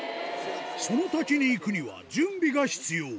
その滝に行くには準備が必要。